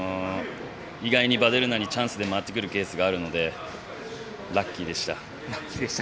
以外にヴァデルナにチャンスで回ってくるケースがあるのでラッキーでした。